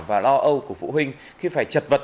và lo âu của phụ huynh khi phải chật vật